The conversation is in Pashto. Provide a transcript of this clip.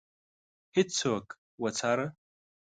هیڅوک وڅاره.